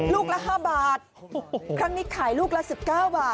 ละ๕บาทครั้งนี้ขายลูกละ๑๙บาท